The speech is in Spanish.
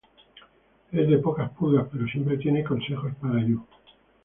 Es de pocas pulgas pero siempre tiene consejos para Yū.